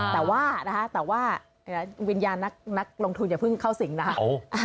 แต่ว่านะคะแต่ว่าวิญญาณนักลงทุนอย่าเพิ่งเข้าสิงนะคะ